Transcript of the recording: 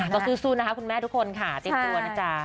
ต้องสู้นะคะคุณแม่ทุกคนค่ะจิ๊บตัวนะจ๊ะ